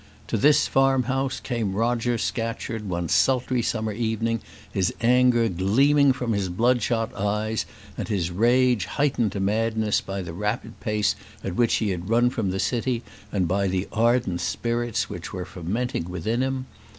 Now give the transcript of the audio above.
To this farm house came Roger Scatcherd one sultry summer evening, his anger gleaming from his bloodshot eyes, and his rage heightened to madness by the rapid pace at which he had run from the city, and by the ardent spirits which were fermenting within him.